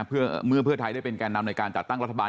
เพื่อเพื่อไทยได้เป็นแก่นำในการจัดตั้งรัฐบาล